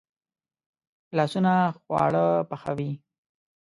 لاسونه خواړه پخوي